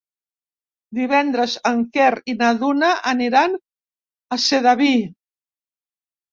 Divendres en Quer i na Duna aniran a Sedaví.